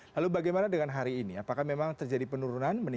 lalu bagaimana dengan hari ini apakah memang terjadi penurunan